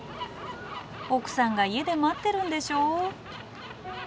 奥さんが家で待ってるんでしょ。